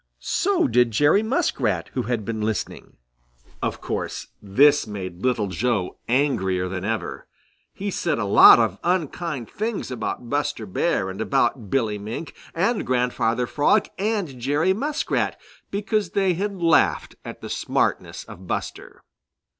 So did Jerry Muskrat, who had been listening. Of course this made Little Joe angrier than ever. He said a lot of unkind things about Buster Bear and about Billy Mink and Grandfather Frog and Jerry Muskrat, because they had laughed at the smartness of Buster.